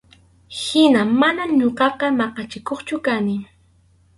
Hina mana ñuqaqa maqachikuqchu kani.